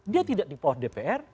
dia tidak di bawah dpr